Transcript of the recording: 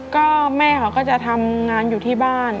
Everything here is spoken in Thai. ก็แม่เขาก็จะทำงานอยู่ที่บ้าน